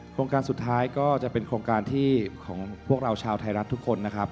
โครงการสุดท้ายก็จะเป็นโครงการที่ของพวกเราชาวไทยรัฐทุกคนนะครับ